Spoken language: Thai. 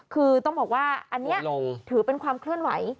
คือต้องบอกว่าอันนี้ถือเป็นความเคลื่อนไหว